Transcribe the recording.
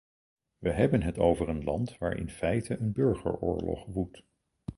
We hebben het over een land waar in feite een burgeroorlog woedt.